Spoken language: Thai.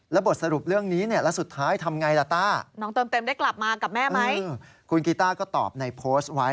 ระบบสรุปเรื่องนี้เนี่ยล่ะสุดท้ายทำไงล่ะต้า